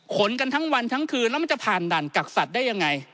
กันทั้งวันทั้งคืนแล้วมันจะผ่านด่านกักสัตว์ได้ยังไง